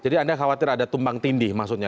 jadi anda khawatir ada tumbang tindih maksudnya